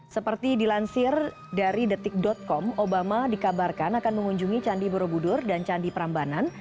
seperti dilansir dari detik com obama dikabarkan akan mengunjungi candi borobudur dan candi prambanan